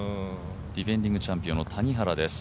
ディフェンディングチャンピオンの谷原です。